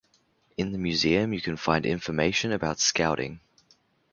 In the museum you can find information about Scouting.